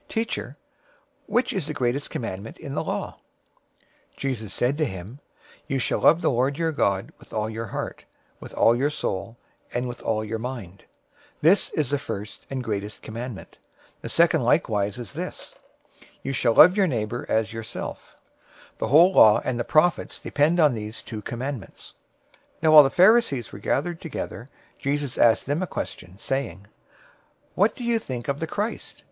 022:036 "Teacher, which is the greatest commandment in the law?" 022:037 Jesus said to him, "'You shall love the Lord your God with all your heart, with all your soul, and with all your mind.'{Deuteronomy 6:5} 022:038 This is the first and great commandment. 022:039 A second likewise is this, 'You shall love your neighbor as yourself.'{Leviticus 19:18} 022:040 The whole law and the prophets depend on these two commandments." 022:041 Now while the Pharisees were gathered together, Jesus asked them a question, 022:042 saying, "What do you think of the Christ?